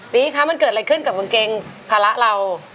คะมันเกิดอะไรขึ้นกับกางเกงภาระเรา